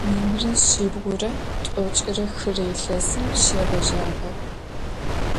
Minre şsibğure t'oç're xıre yilhesım şşêğejağeu.